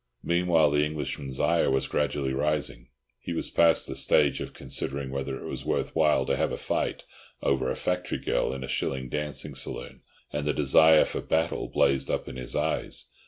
Meanwhile the Englishman's ire was gradually rising. He was past the stage of considering whether it was worth while to have a fight over a factory girl in a shilling dancing saloon, and the desire for battle blazed up in his eyes.